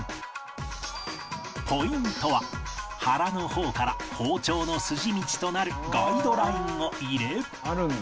ポイントは腹の方から包丁の筋道となるガイドラインを入れ